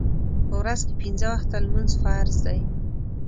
په ورځ کې پنځه وخته لمونځ فرض دی.